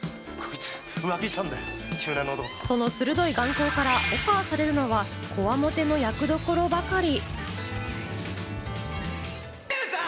その鋭い眼光からオファーされるのはコワモテの役どころばかり。